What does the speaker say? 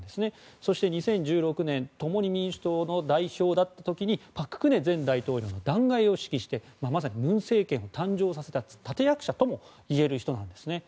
そして２０１６年共に民主党の代表だった時に朴槿惠前大統領の弾劾を指揮してまさに文政権を誕生させた立役者ともいえる人なんですね。